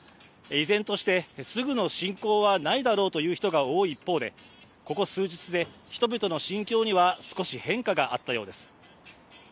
依然としてすぐの侵攻はないだろうという人が多い一方でここ数日で人々の心境には少し変化があったようです。